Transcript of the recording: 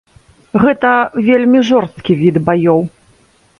Гэта вельмі жорсткі від баёў.